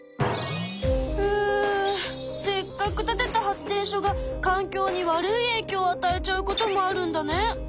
せっかく建てた発電所が環境に悪い影響をあたえちゃうこともあるんだね。